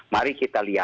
mari kita lihat